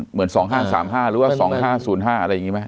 หรือว่า๒๕๐๕อะไรอย่างนี้ไหม